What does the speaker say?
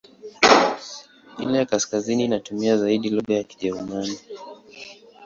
Ile ya kaskazini inatumia zaidi lugha ya Kijerumani.